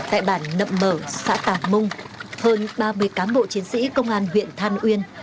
tại bản nậm mở xã tàng mung hơn ba mươi cán bộ chiến sĩ công an huyện than uyên